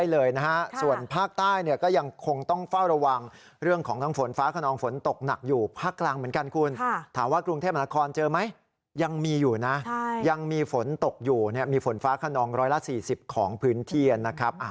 ร้อยละ๔๐ของพื้นเทียนนะครับ